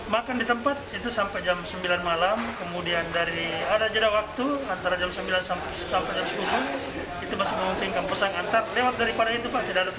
makan di tempat itu sampai jam sembilan malam kemudian dari ada jeda waktu antara jam sembilan sampai jam sepuluh itu masih memungkinkan pesan antar lewat daripada itu pak